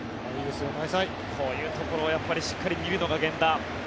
こういうところをしっかり見るのが源田。